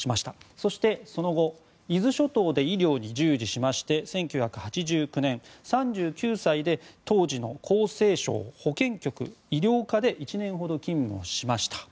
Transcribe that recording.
そして、その後伊豆諸島で医療に従事しまして１９８９年、３９歳で当時の厚生省保険局医療課で１年ほど勤務をしました。